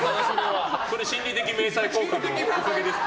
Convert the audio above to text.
これ心理的迷彩効果のおかげですか。